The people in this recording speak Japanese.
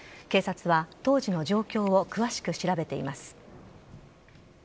警察は、当時の状況を詳しく調べています。